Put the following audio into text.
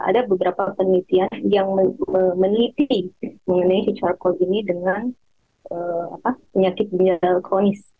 ada beberapa penelitian yang meneliti mengenai charcoal ini dengan penyakit ginjal kronis